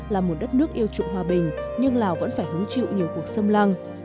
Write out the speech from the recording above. là một đất nước yêu trụng hòa bình nhưng lào vẫn phải hứng chịu nhiều cuộc xâm lăng